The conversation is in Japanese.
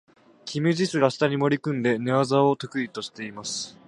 キム・ジスが下に潜り込んで、寝技も得意としています。